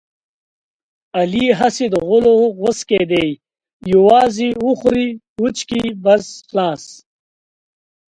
علي هسې د غولو غوڅکی دی یووازې وخوري وچکي بس خلاص.